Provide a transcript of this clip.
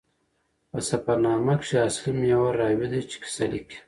په سفرنامه کښي اصلي محور راوي ده، چي کیسه لیکي.